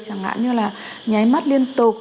chẳng hạn như là nhái mắt liên tục